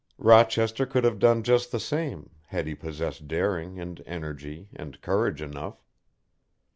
Rochester could have done just the same, had he possessed daring, and energy, and courage enough.